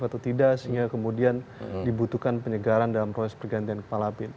atau tidak sehingga kemudian dibutuhkan penyegaran dalam proses pergantian kepala bin